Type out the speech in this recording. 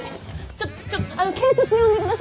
ちょちょ警察呼んでください。